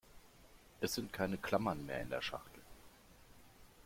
Es sind keine Klammern mehr in der Schachtel.